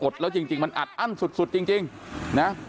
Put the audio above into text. อดแล้วจริงจริงมันอัดอั้นสุดสุดจริงจริงนะ